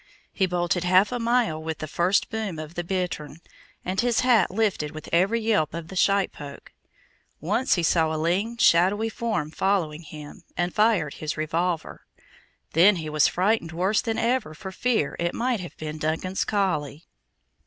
He bolted half a mile with the first boom of the bittern, and his hat lifted with every yelp of the sheitpoke. Once he saw a lean, shadowy form following him, and fired his revolver. Then he was frightened worse than ever for fear it might have been Duncan's collie.